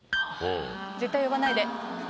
絶対呼ばないで。